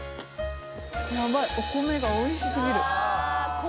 ヤバいお米がおいし過ぎる。